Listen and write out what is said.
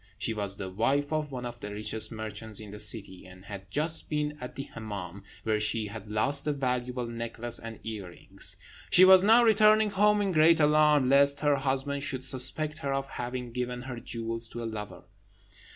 She was the wife of one of the richest merchants in the city, and had just been at the Hemmâm, where she had lost a valuable necklace and earrings. She was now returning home in great alarm lest her husband should suspect her of having given her jewels to a lover.